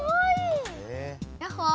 ヤッホー。